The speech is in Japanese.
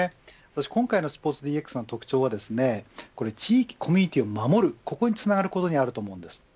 今回のスポーツＤＸの特徴は地域コミュニティーを守るここにつながることにあと思います。